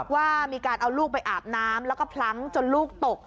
ว่ามีการเอาลูกไปอาบน้ำแล้วก็พลั้งจนลูกตก